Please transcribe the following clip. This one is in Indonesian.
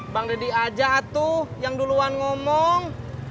bang deddy aja tuh yang duluan ngomong